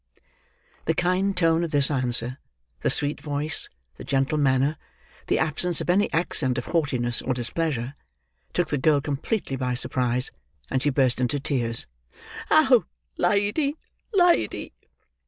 The kind tone of this answer, the sweet voice, the gentle manner, the absence of any accent of haughtiness or displeasure, took the girl completely by surprise, and she burst into tears. "Oh, lady, lady!"